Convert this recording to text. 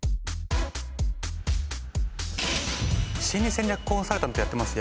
心理戦略コンサルタントやってます